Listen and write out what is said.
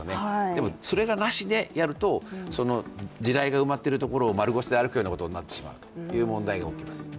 でも、それがなしでやると、地雷が埋まってるところを丸腰で歩くようなことが起こってしまいます。